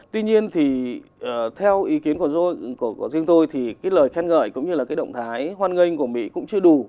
tuy nhiên thì theo ý kiến của riêng tôi thì cái lời khen ngợi cũng như là cái động thái hoan nghênh của mỹ cũng chưa đủ